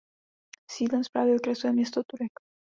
Sídlem správy okresu je město Turek.